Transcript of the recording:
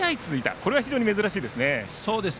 これは非常に珍しいですね。